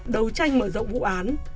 đấu tranh mở rộng vụ án